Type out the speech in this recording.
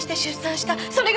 それが私。